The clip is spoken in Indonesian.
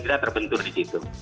tidak terbentur di situ